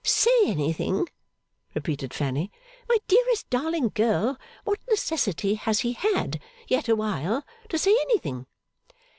'Say anything?' repeated Fanny. 'My dearest, darling child, what necessity has he had, yet awhile, to say anything?